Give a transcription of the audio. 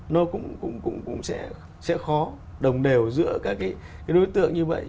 nó cũng sẽ khó đồng đều giữa các cái đối tượng như vậy